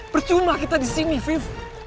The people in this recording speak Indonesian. percuma kita disini fit